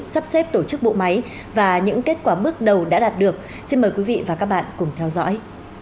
sắp xếp tổ chức bộ máy và những kết quả bước đầu đã đạt được xin mời quý vị và các bạn cùng theo dõi